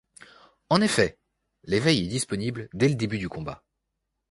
En effet, l’éveil est disponible dès le début du combat.